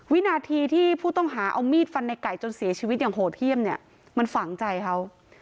วินาทีที่ผู้ต้องหาเอามีดฟันในไก่จนเสียชีวิตอย่างโหดเยี่ยมเนี่ยมันฝังใจเขา